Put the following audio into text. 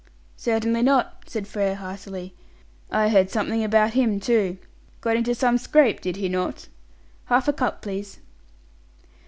"Certainly not!" said Frere heartily. "I heard something about him too. Got into some scrape, did he not? Half a cup, please."